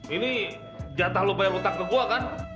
ini jatah lo bayar hutang ke gua kan